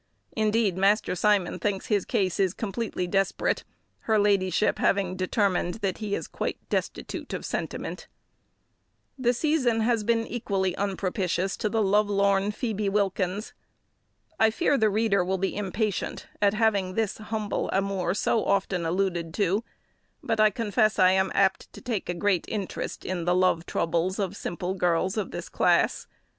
Indeed, Master Simon thinks his case is completely desperate, her ladyship having determined that he is quite destitute of sentiment. The season has been equally unpropitious to the love lorn Phoebe Wilkins. I fear the reader will be impatient at having this humble amour so often alluded to; but I confess I am apt to take a great interest in the love troubles of simple girls of this class.